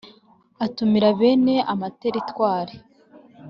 Atumira bene amateritwari